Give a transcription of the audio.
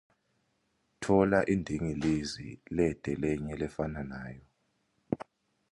Tfola indingilizi lete lenye lefana nayo.